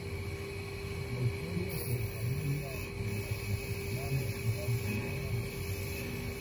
La historia se desarrolla en la contemporánea Ciudad de Nueva York.